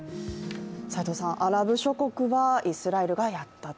アラブ諸国はイスラエルがやったと。